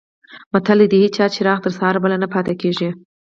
متل دی: د هېچا چراغ تر سهاره بل نه پاتې کېږي.